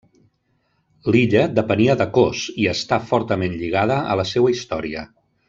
L'illa depenia de Kos, i està fortament lligada a la seua història.